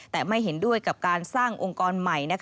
แต่ไม่เห็นด้วยกับการสร้างองค์กรใหม่